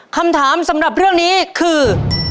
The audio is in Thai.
คำถามสำหรับเรื่องนี้คือ